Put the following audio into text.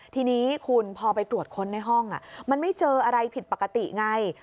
ทีนี้คุณพอไปตรวจค้นในห้องมันไม่เจออะไรผิดปกติไง